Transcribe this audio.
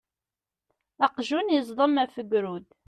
Aqjun yeẓdem af ugrud.